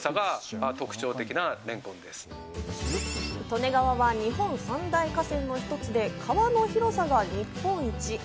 利根川は日本三大河川の１つで、川の広さが日本一。